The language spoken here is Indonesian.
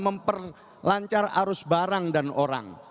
memperlancar arus barang dan orang